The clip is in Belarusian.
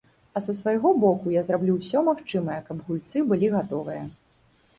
А са свайго боку я зраблю ўсё магчымае, каб гульцы былі гатовыя.